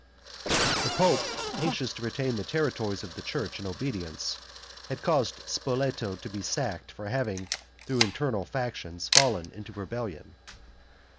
The pope, anxious to retain the territories of the church in obedience, had caused Spoleto to be sacked for having, through internal factions, fallen into rebellion.